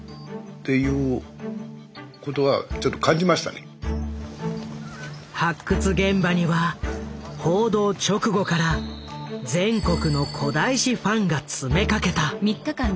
もうなんか発掘現場には報道直後から全国の古代史ファンが詰めかけた。